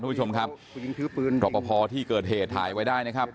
ผู้ชมครับรอปภที่เกิดเหตุถ่ายไว้ได้นะครับ